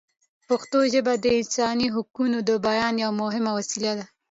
پښتو ژبه د انساني حقونو د بیان یوه مهمه وسیله ده.